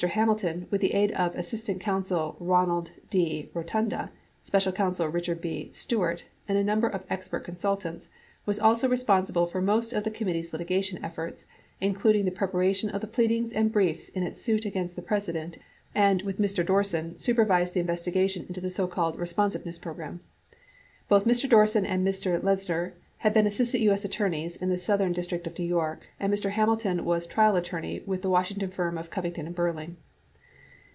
Hamilton, with the aid of assistant counsel Ronald D. Rotunda, special counsel Richard B. Stewart, and a number of expert consultants, 5 was also responsible for most of the committee's litigation efforts, including the preparation of the pleadings and briefs in its suit against the President, and, with Mr. Dorsen, supervised the investigation into the so called Responsiveness Program. Both Mr. Dorsen and Mr. Lenzner had been assistant TJ.S. attorneys in the Southern District of New York, and Mr. Hamilton was a trial attor ney with the Washington law firm of Covington and Burling.